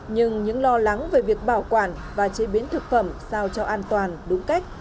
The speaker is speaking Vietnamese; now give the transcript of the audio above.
nhưng những lo lắng về việc bảo quản và chế biến thực phẩm sao cho an toàn đúng cách